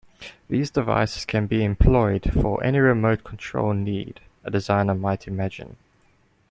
These devices can be employed for any remote control need a designer might imagine.